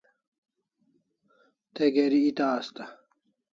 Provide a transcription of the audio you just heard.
Te geri eta asta